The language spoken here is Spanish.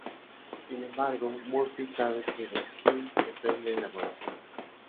Sin embargo, Murphy sabe que de Quinn depende el laboratorio.